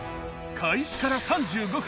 開始から３５分。